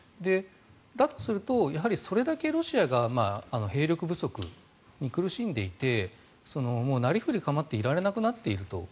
だとすると、それだけロシアが兵力不足に苦しんでいてなりふり構っていられなくなっていると。